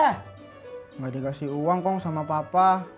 nggak dikasih uang kong sama papa